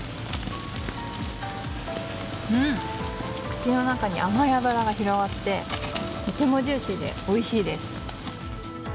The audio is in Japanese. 口の中に甘い脂が広がってとてもジューシーでおいしいです。